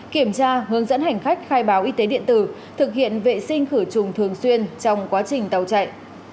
kiểm tra hướng dẫn hành khách khai báo y tế điện tử thực hiện vệ sinh khử trùng thường xuyên trong quá trình tàu chạy